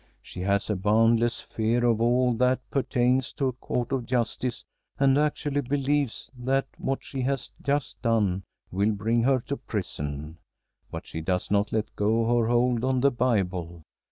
She has a boundless fear of all that pertains to a Court of Justice and actually believes that what she has just done will bring her to prison; but she does not let go her hold on the Bible.